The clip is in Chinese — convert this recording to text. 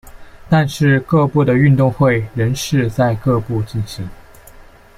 但是各部的运动会仍是在各部进行。